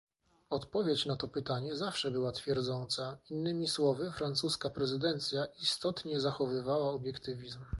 Odpowiedź na to pytanie zawsze była twierdząca, innymi słowy, francuska prezydencja istotnie zachowywała obiektywizm